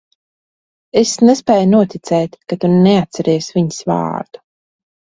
Es nespēju noticēt, ka tu neatceries viņas vārdu.